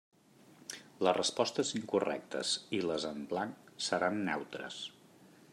Les respostes incorrectes i les en blanc seran neutres.